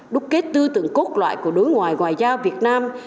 đúc kết tư tưởng cốt loại của đối ngoại ngoại giao việt nam